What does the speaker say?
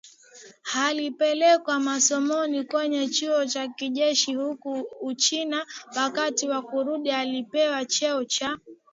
alipelekwa masomoni kwenye chuo cha kijeshi huko Uchina Wakati wa kurudi alipewa cheo cha